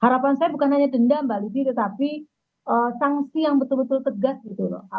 harapan saya bukan hanya denda mbak lidi tetapi sanksi yang betul betul tegas gitu loh